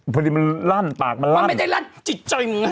พอดีมันลั่นปากมันลั่นมันไม่ได้ลั่นจิตใจมัน